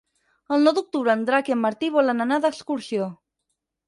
El nou d'octubre en Drac i en Martí volen anar d'excursió.